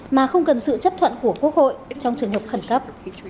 mà không cần sự chấp thuận của quốc hội trong trường hợp khẩn cấp